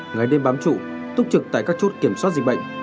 ngày đêm bám trụ túc trực tại các chốt kiểm soát dịch bệnh